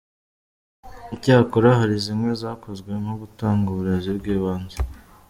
Icyakora hari zimwe zakozwe nko gutanga uburezi bw’ibanze.